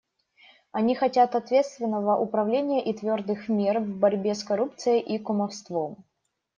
Они хотят ответственного управления и твердых мер в борьбе с коррупцией и кумовством.